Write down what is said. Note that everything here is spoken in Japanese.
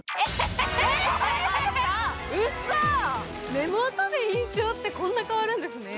目元で印象って、こんな変わるんですね。